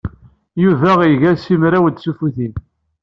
Yuba iga simraw n tsuffutin.